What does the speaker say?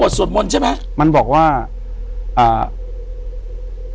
อยู่ที่แม่ศรีวิรัยิลครับ